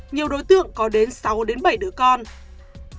nhiều đối tượng có đến sáu đứa trẻ trẻ trẻ